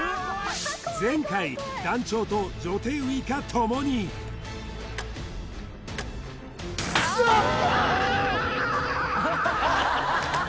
前回団長と女帝ウイカ共にうわあっ！